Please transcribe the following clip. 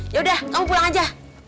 yaudah kamu pulang aja